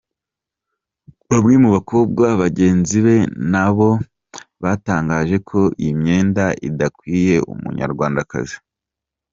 Bamwe mu bakobwa bagenzi be na bo batangaje ko iyi myenda idakwiye Umunyarwandakazi.